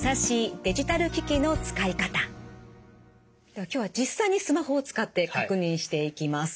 では今日は実際にスマホを使って確認していきます。